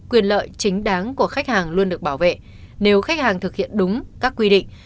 quyền lợi chính đáng của khách hàng luôn được bảo vệ nếu khách hàng thực hiện đúng các quy định